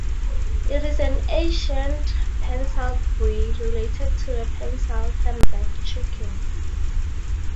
It is an ancient pencilled breed, related to the pencilled Hamburg chicken.